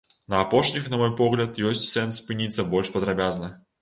На апошніх, на мой погляд, ёсць сэнс спыніцца больш падрабязна.